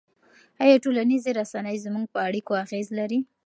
آیا ټولنیزې رسنۍ زموږ په اړیکو اغېز لري؟